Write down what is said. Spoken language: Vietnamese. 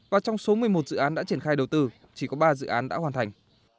và trong số một mươi một dự án đã triển khai đầu tư chỉ có ba dự án đã hoàn thành